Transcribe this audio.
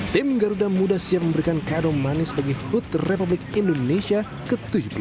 tim garuda muda siap memberikan karung manis bagi hood republik indonesia ke tujuh puluh dua